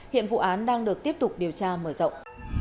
hiện vụ án đang được tiếp tục điều tra mở rộng